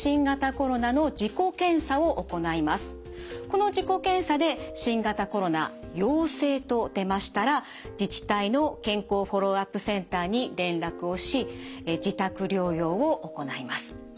この自己検査で新型コロナ陽性と出ましたら自治体の健康フォローアップセンターに連絡をし自宅療養を行います。